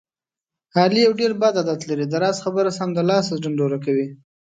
علي یو ډېر بد عادت لري. د راز خبره سمدلاسه ډنډوره کوي.